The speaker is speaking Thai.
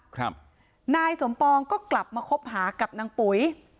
ครับนายสมปองก็กลับมาคบหากับนางปุ๋ย